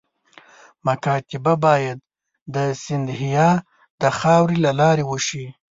مکاتبه باید د سیندهیا د خاوري له لارې وشي.